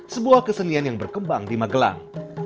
sebuah kesenian yang berkembang di magelang